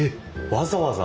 わざわざ？